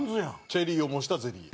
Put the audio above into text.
チェリーを模したゼリー。